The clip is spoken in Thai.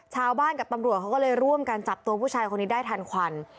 ชาวบ้านกับตำรวจเขาก็เลยร่วมกันจับตัวผู้ชายคนนี้ได้ทันควัน